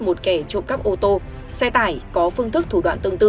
một kẻ trộm cắp ô tô xe tải có phương thức thủ đoạn tương tự